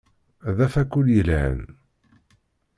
D afakul yelhan.